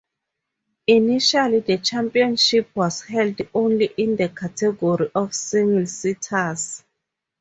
Initially the championship was held only in the category of single seaters.